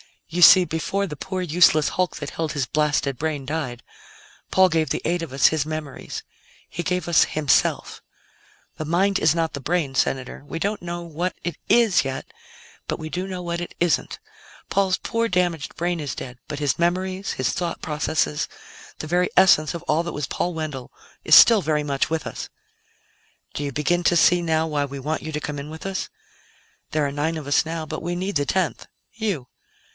You see, before the poor, useless hulk that held his blasted brain died, Paul gave the eight of us his memories; he gave us himself. The mind is not the brain, Senator; we don't know what it is yet, but we do know what it isn't. Paul's poor, damaged brain is dead, but his memories, his thought processes, the very essence of all that was Paul Wendell is still very much with us. "Do you begin to see now why we want you to come in with us? There are nine of us now, but we need the tenth you.